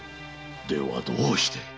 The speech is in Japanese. ではどうして？